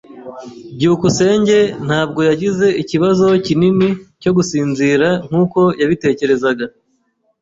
byukusenge ntabwo yagize ikibazo kinini cyo gusinzira nkuko yabitekerezaga.